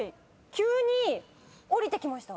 急に降りてきました。